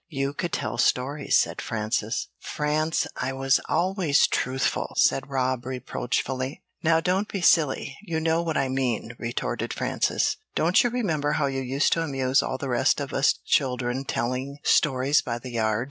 "You could tell stories," said Frances. "France, I was always truthful," said Rob, reproachfully. "Now, don't be silly; you know what I mean," retorted Frances. "Don't you remember how you used to amuse all the rest of us children telling stories by the yard?